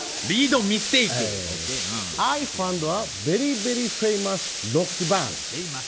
アイファウンドベリーベリーフェイマスロックバンド！